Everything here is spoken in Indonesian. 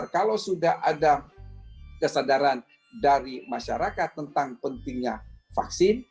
kalau sudah ada kesadaran dari masyarakat tentang pentingnya vaksin